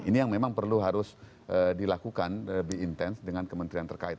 ini yang memang perlu harus dilakukan lebih intens dengan kementerian terkait